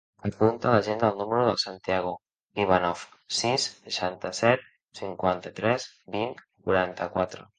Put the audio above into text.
Apunta a l'agenda el número del Santiago Ivanov: sis, seixanta-set, cinquanta-tres, vint, quaranta-quatre.